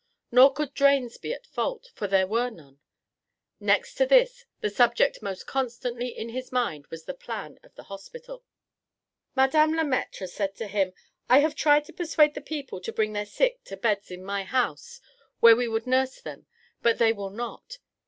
Nor could drains be at fault, for there were none. Next to this, the subject most constantly in his mind was the plan of the hospital. Madame Le Maître had said to him: "I have tried to persuade the people to bring their sick to beds in my house, where we would nurse them, but they will not.